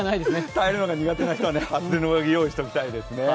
耐えるのが苦手な人は厚手の上着、用意しておきたいですね。